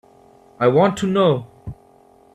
I want to know.